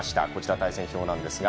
対戦表です。